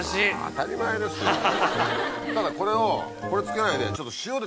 ただこれをこれつけないで。